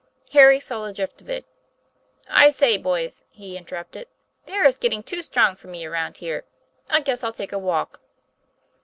Harry saw the drift of it. 'I say, boys," he interrupted, "the air is getting too strong for me around here. I guess I'll take a walk."